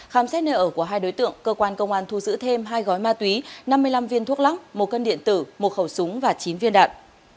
khám xét nơi ở của hai đối tượng cơ quan công an thu giữ thêm hai gói ma túy năm mươi năm viên thuốc lắc một cân điện tử một khẩu súng và chín viên đạn